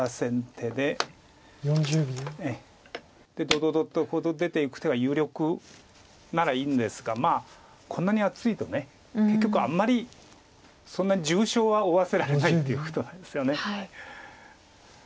ドドドッと出ていく手が有力ならいいんですがまあこんなに厚いと結局あんまりそんなに重傷は負わせられないっていうことなんですよね。